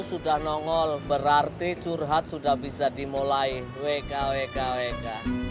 itu sudah nongol berarti curhat sudah bisa dimulai wkwkwk